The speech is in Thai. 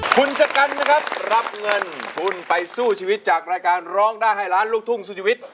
คุณชะกันนะครับรับเงินทุนไปสู้ชีวิตจากรายการร้องได้ให้ล้านลูกทุ่งสู้ชีวิต